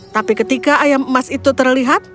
tapi ketika ayam emas itu terlihat